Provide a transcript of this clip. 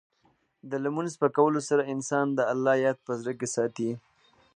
د لمونځ په کولو سره، انسان د الله یاد په زړه کې ساتي.